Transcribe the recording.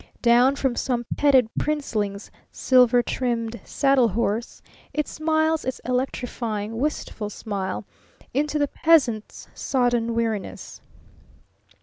Down from some petted Princeling's silver trimmed saddle horse it smiles its electrifying, wistful smile into the Peasant's sodden weariness.